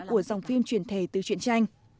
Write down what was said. của dòng phim truyền thể từ truyền tranh